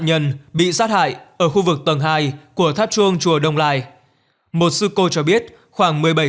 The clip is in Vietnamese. nhân bị sát hại ở khu vực tầng hai của tháp chuông chùa đông lai một sư cô cho biết khoảng một mươi bảy